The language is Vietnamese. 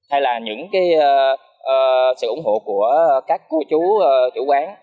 hay là những sự ủng hộ của các cô chú chủ quán